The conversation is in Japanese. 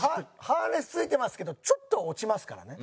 ハーネス着いてますけどちょっと落ちますからね。